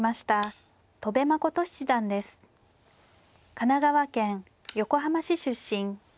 神奈川県横浜市出身。